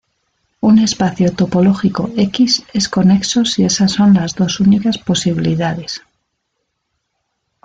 Un espacio topológico "X" es conexo si esas son las dos únicas posibilidades.